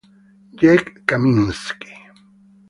Jake Kaminski